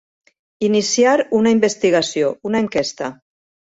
Iniciar una investigació, una enquesta.